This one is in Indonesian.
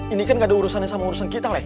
ini kan gak ada urusannya sama urusan kita lah